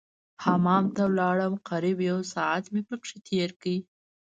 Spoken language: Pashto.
حمام ته ولاړم قريب يو ساعت مې پکښې تېر کړ.